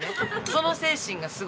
その精神がすごい。